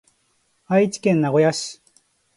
愛知県名古屋市